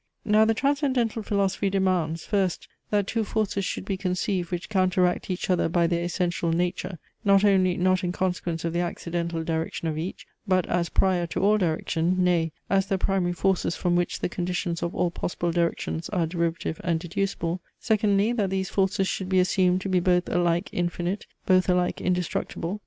Now the transcendental philosophy demands; first, that two forces should be conceived which counteract each other by their essential nature; not only not in consequence of the accidental direction of each, but as prior to all direction, nay, as the primary forces from which the conditions of all possible directions are derivative and deducible: secondly, that these forces should be assumed to be both alike infinite, both alike indestructible.